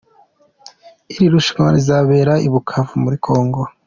Iri rushanwa rizabera i Bukavu muri Congo.